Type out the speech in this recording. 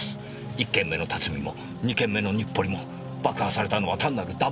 １件目の辰巳も２件目の日暮里も爆破されたのは単なるダンボール箱でした。